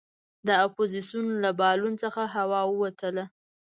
د اپوزیسون له بالون څخه هوا ووتله.